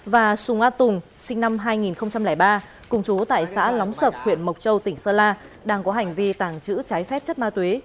và sùng a tùng sinh năm hai nghìn ba cùng chú tại xã lóng sập huyện mộc châu tỉnh sơn la đang có hành vi tàng trữ trái phép chất ma túy